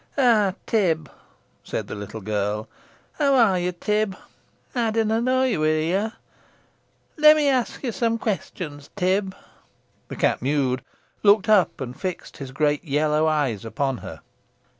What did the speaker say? "Ah, Tib," said the little girl, "how are ye, Tib? Ey didna knoa ye were here. Lemme ask ye some questions, Tib?" The cat mewed, looked up, and fixed his great yellow eyes upon her.